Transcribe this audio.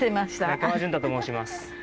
中間淳太と申します。